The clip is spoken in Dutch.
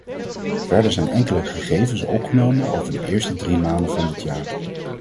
Verder zijn enkele gegevens opgenomen over de eerste drie maanden van dit jaar.